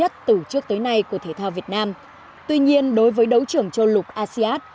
tuy nhiên đối với đấu trưởng châu lục asean